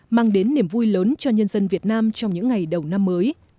mang đến niềm vui lớn cho nhân dân việt nam trong những ngày đầu năm mới